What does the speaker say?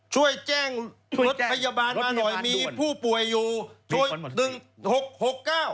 ช่วยแจ้งรถพยาบาลมาหน่อยมีผู้ป่วยอยู่ช่วย๑๖๖๙